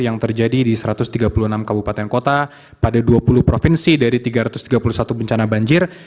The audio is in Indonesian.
yang terjadi di satu ratus tiga puluh enam kabupaten kota pada dua puluh provinsi dari tiga ratus tiga puluh satu bencana banjir